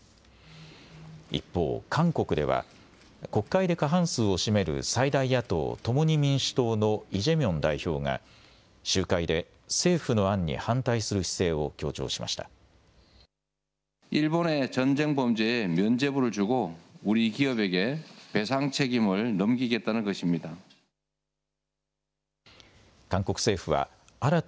一方、韓国では国会で過半数を占める最大野党、共に民主党のイ・ジェミョン代表が、集会で政府の案に反対する姿勢を強調しました。